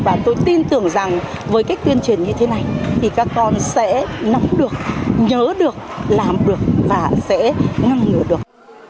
và tôi tin tưởng rằng với cách tuyên truyền như thế này thì các con sẽ nắm được nhớ được làm được và sẽ ngăn ngừa được